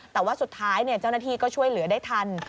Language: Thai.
แต่ว่าสุดท้ายเจ้าหน้าที่ก็ช่วยเหลือได้ทัน